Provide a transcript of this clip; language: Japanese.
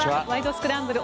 スクランブル」